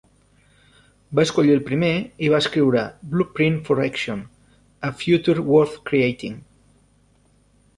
Va escollir el primer, i va escriure Blueprint for Action: A Future Worth Creating.